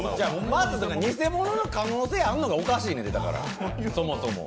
まず偽物の可能性があるのおかしい、そもそも。